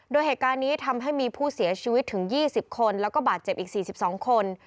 โดยเหตุการณ์นี้ทำให้มีผู้เสียชีวิตถึง๒๐คนแล้วก็บาดเจ็บอีก๔๒คน